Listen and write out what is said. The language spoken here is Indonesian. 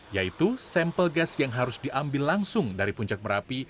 yaitu sampel gas yang harus diambil langsung dari puncak merapi